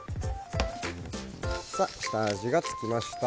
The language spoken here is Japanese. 下味がつきました。